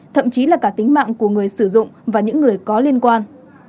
thậm chí là cả tính mạng của người sử dụng và những người có liên quan